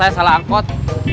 saya salah angkot